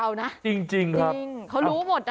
แบบนี้คือแบบนี้คือแบบนี้คือแบบนี้คือแบบนี้คือ